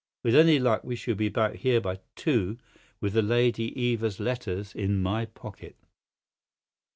With any luck we should be back here by two, with the Lady Eva's letters in my pocket."